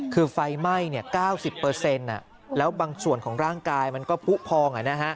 คือไฟไหม้๙๐แล้วบางส่วนของร่างกายมันก็ผู้พอง